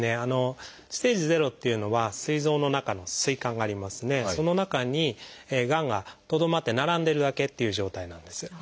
「ステージ０」っていうのはすい臓の中の膵管がありますねその中にがんがとどまって並んでるだけっていう状態なんです。